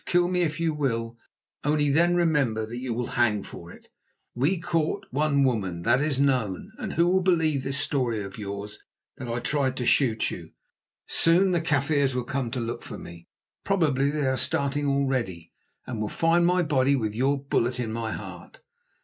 Kill me if you will, only then remember that you will hang for it. We court one woman, that is known, and who will believe this story of yours that I tried to shoot you? Soon the Kaffirs will come to look for me, probably they are starting already, and will find my body with your bullet in my heart.